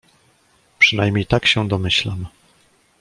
"Przynajmniej tak się domyślam."